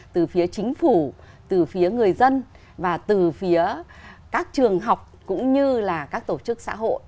từ phía chính phủ từ phía người dân và từ phía các trường học cũng như là các tổ chức xã hội